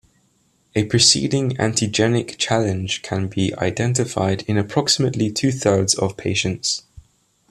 A preceding antigenic challenge can be identified in approximately two-thirds of patients.